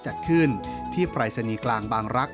จัดขึ้นที่ปรายศนีย์กลางบางรักษ